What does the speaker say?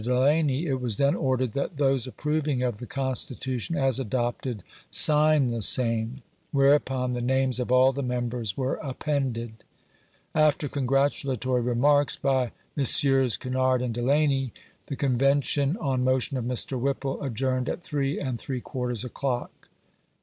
Delany, it was then ordered that those approving of the Constitution as adopted sign the same ; whereupon the names of all the members were appended. After congratulatory remarks by Messrs. Kinnard and Delany, the Con vention, on motion of Mr. Whipple, adjourned at three and three quarters o'clock.